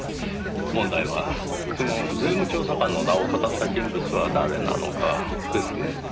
問題はその税務調査官の名をかたった人物は誰なのかですね。